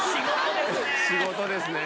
仕事ですね。